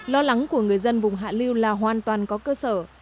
lo lắng của người dân vùng hạ lưu là hoàn toàn có cơ sở